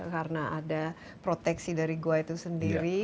karena ada proteksi dari gua itu sendiri